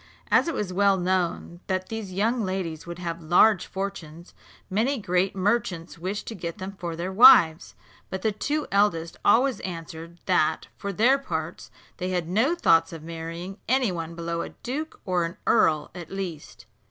As it was well known that these young ladies would have large fortunes, many great merchants wished to get them for wives; but the two eldest always answered that, for their parts, they had no thoughts of marrying any one below a duke, or an earl at least.